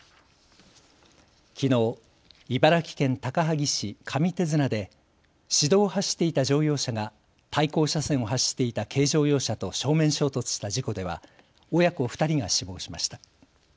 きのう茨城県高萩市上手綱で市道を走っていた乗用車が対向車線を走っていた軽乗用車と正面衝突した事故では親子２人が死亡しました。